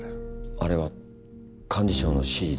あれは幹事長の指示で。